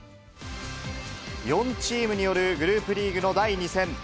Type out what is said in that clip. ４チームによるグループリーグの第２戦。